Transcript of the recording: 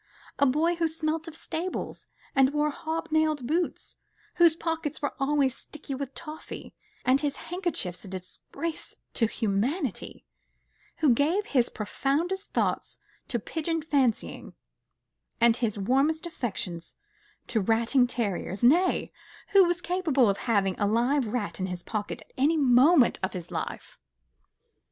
a boy who smelt of stables and wore hob nailed boots, whose pockets were always sticky with toffee, and his handkerchiefs a disgrace to humanity, who gave his profoundest thoughts to pigeon fancying, and his warmest affections to ratting terriers, nay, who was capable of having a live rat in his pocket at any moment of his life.